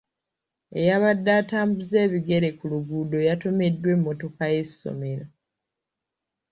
Eyabadde atambuza ebigere ku luguudo yatomeddwa emmotoka y'essomero.